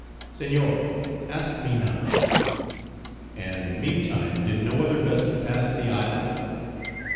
"Señor, ask me not." "And meantime, did no other vessel pass the isle?"